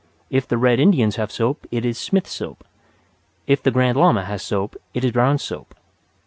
If the Red Indians have soap it is Smith's Soap. If the Grand Lama has soap it is Brown's soap.